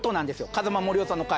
風間杜夫さんの回。